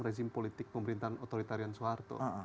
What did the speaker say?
rezim politik pemerintahan otoritarian soeharto